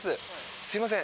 すみません。